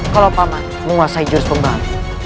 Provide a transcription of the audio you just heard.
kalau pak mat menguasai jurus pembali